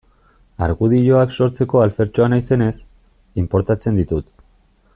Argudioak sortzeko alfertxoa naizenez, inportatzen ditut.